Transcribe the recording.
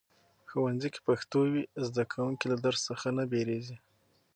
ښوونځي کې پښتو وي، زده کوونکي له درس څخه نه بیریږي.